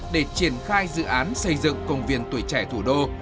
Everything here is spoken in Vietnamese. để triển khai dự án xây dựng công viên tuổi trẻ thủ đô